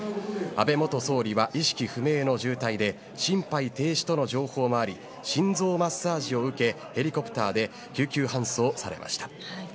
安倍元総理は意識不明の重体で心肺停止との情報もあり心臓マッサージを受けヘリコプターで救急搬送されました。